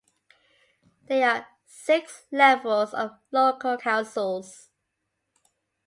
There are six levels of Local Councils.